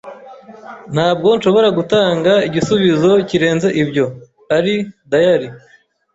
Ntabwo nshobora gutanga igisubizo kirenze ibyo. (ari_diary)